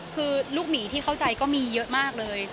คือลูกหมีที่เข้าใจก็มีเยอะมากเลย